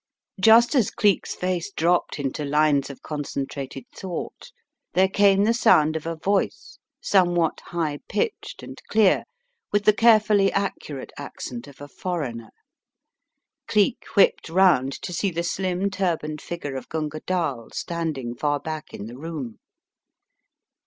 Just as Cleek's face dropped into lines of concen trated thought there came the sound of a voice somewhat high pitched and clear, with the carefully accurate accent of a foreigner. Cleek whipped round to see the slim, turbaned figure of Gunga Dall stand ing far back in the room.